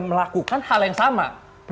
melakukan hal yang sama